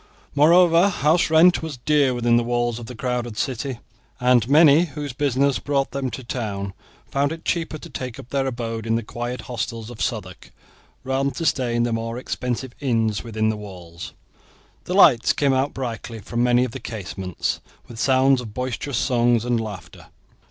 Moreover, house rent was dear within the walls of the crowded city, and many, whose business brought them to town, found it cheaper to take up their abode in the quiet hostels of Southwark rather than to stay in the more expensive inns within the walls. The lights came out brightly from many of the casements, with sounds of boisterous songs and laughter.